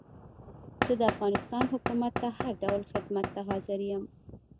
زه د افغانستان حکومت ته هر ډول خدمت ته حاضر یم.